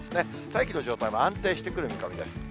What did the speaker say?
大気の状態も安定してくる見込みです。